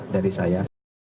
itu saja dari saya